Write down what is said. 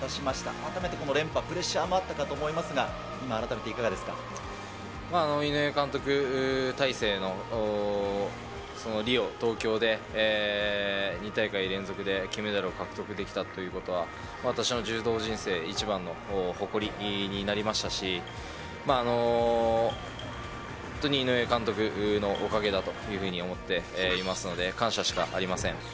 改めてこの連覇、プレッシャーもあったと思いますが、いま改めて、井上監督体制のリオ、東京で２大会連続で金メダルを獲得できたということは、私の柔道人生一番の誇りになりましたし、本当に井上監督のおかげだというふうに思っていますので、感謝しかありません。